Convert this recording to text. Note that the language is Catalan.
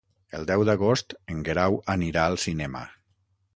El deu d'agost en Guerau anirà al cinema.